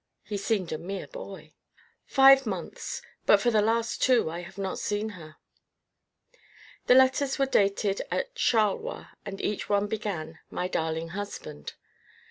He seemed a mere boy. "Five months, but for the last two I have not seen her." The letters were dated at Charleroi and each one began: "My darling husband."